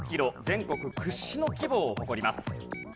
全国屈指の規模を誇ります。